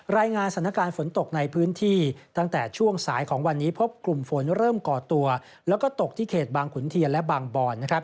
รายงานสถานการณ์ฝนตกในพื้นที่ตั้งแต่ช่วงสายของวันนี้พบกลุ่มฝนเริ่มก่อตัวแล้วก็ตกที่เขตบางขุนเทียนและบางบอน